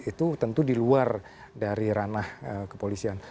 itu tentu di luar dari ranah kepolisian